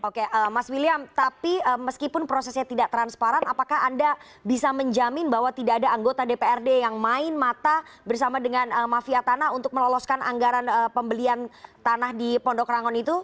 oke mas william tapi meskipun prosesnya tidak transparan apakah anda bisa menjamin bahwa tidak ada anggota dprd yang main mata bersama dengan mafia tanah untuk meloloskan anggaran pembelian tanah di pondok rangon itu